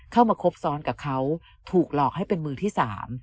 คบซ้อนกับเขาถูกหลอกให้เป็นมือที่สาม